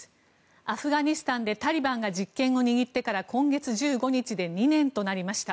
アフガニスタンでタリバンが実権を握ってから今月１５日で２年となりました。